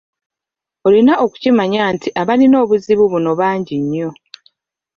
Olina okukimanya nti abalina obuzibu buno bangi nnyo.